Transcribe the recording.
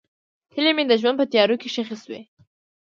هیلې مې د ژوند په تیارو کې ښخې شوې.